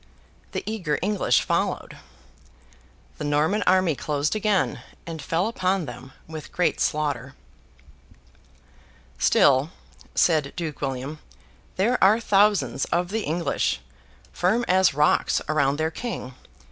The eager English followed. The Norman army closed again, and fell upon them with great slaughter. 'Still,' said Duke William, 'there are thousands of the English, firm as rocks around their King.